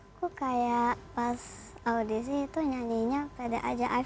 aku kayak pas audisi itu nyanyinya pede aja